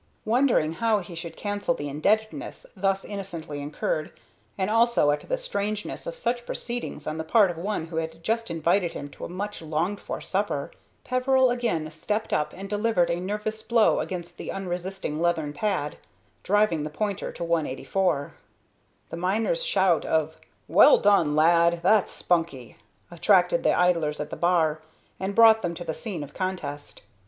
Wondering how he should cancel the indebtedness thus innocently incurred, and also at the strangeness of such proceedings on the part of one who had just invited him to a much longed for supper, Peveril again stepped up and delivered a nervous blow against the unresisting leathern pad, driving the pointer to 184. The miner's shout of "Well done, lad! That's spunky," attracted the idlers at the bar and brought them to the scene of contest.